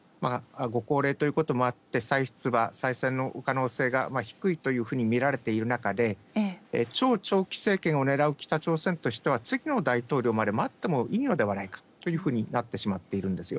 ご高齢ということもあって、再出馬、再選の可能性が低いというふうに見られている中で、超長期政権をねらう北朝鮮としては、次の大統領まで待ってもいいのではないかというふうになってしま